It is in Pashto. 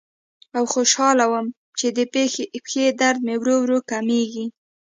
او خوشاله وم چې د پښې درد مې ورو ورو کمیږي.